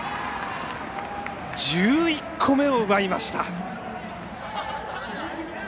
１１個目を奪いました。